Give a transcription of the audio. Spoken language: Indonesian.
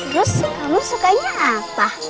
lalu apa yang kamu suka